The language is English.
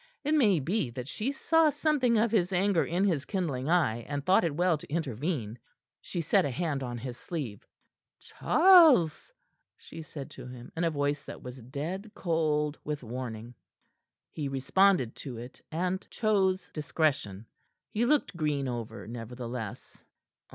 It may be that she saw something of his anger in his kindling eye, and thought it well to intervene. She set a hand on his sleeve. "Charles!" she said to him in a voice that was dead cold with warning. He responded to it, and chose discretion. He looked Green over, nevertheless.